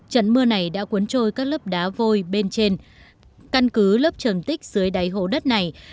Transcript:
trận mưa này đã cuốn trôi các lớp đá vôi bên trên căn cứ lớp trầm tích dưới đáy hố đất này